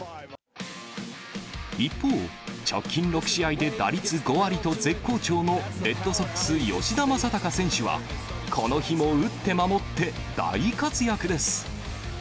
一方、直近６試合で打率５割と絶好調のレッドソックス、吉田正尚選手は、この日も打って守って、大活躍です。